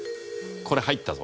これ入ったぞ。